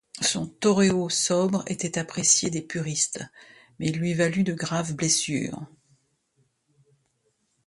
Son toreo sobre était apprécié des puristes, mais il lui valut de graves blessures.